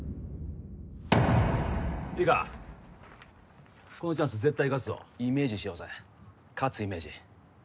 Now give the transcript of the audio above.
いいかこのチャンス絶対生かすぞイメージしようぜ勝つイメージ